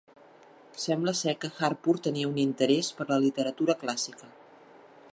Sembla ser que Harpur tenia un interès per la literatura clàssica.